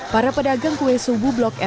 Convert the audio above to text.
para pedagang kue subuh blok m